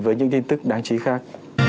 với những tin tức đáng chí khác